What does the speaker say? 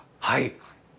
はい。